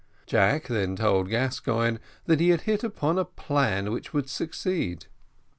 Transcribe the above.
Jack then told Gascoigne that he had hit upon a plan which would succeed.